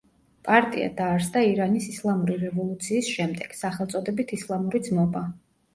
პარტია დაარსდა ირანის ისლამური რევოლუციის შემდეგ, სახელწოდებით „ისლამური ძმობა“.